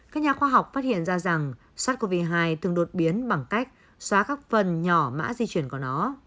các nhà khoa học phát hiện ra rằng sars cov hai từng đột biến bằng cách xóa các phần nhỏ mã di chuyển của nó